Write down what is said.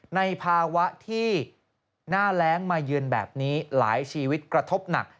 ในภาวะที่หน้าแรงมาเยือนแบบนี้หลายชีวิตกระทบหนัก